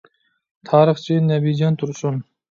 تارىخچى نەبىجان تۇرسۇن.